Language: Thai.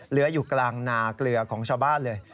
เหลืออยู่กลางนาเกลือของชาวบ้านเลย